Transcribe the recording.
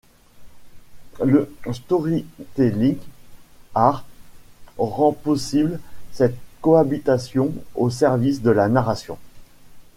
Le Storytelling art rend possible cette cohabitation au service de la narration.